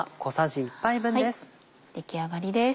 出来上がりです。